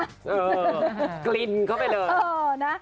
อะกลิ่นเข้าไปเลย